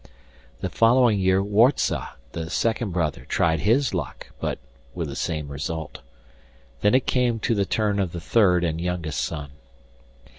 The following year Warza, the second brother, tried his luck, but with the same result. Then it came to the turn of the third and youngest son.